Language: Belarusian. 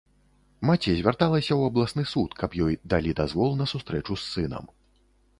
Маці звярталася ў абласны суд, каб ёй далі дазвол на сустрэчу з сынам.